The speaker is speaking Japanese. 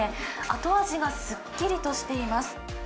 後味がすっきりとしています。